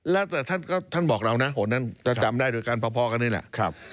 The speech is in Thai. แล้วแต่ท่านบอกเรานะโหนั้นจะจำได้โดยการพอกันนี่แหละ